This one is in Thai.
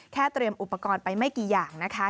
เตรียมอุปกรณ์ไปไม่กี่อย่างนะคะ